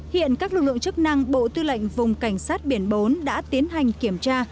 hiện các lực lượng chức năng bộ tư lệnh vùng cảnh sát biển bốn đã tiến hành kiểm tra